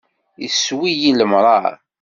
Issew-iyi lemṛaṛ.